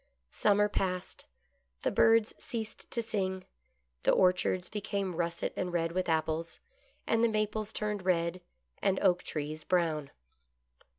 Summer passed. The birds ceased to sing; the orchards became russet and red with apples, and the maples turned red, and oak trees brown.